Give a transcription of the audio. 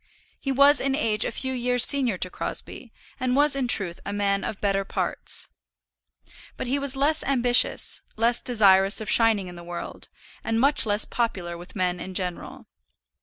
He was in age a few years senior to Crosbie, and was in truth a man of better parts. But he was less ambitious, less desirous of shining in the world, and much less popular with men in general.